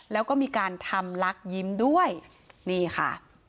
แล้วก็มีการทำลักยิ้มด้วยนี่ค่ะ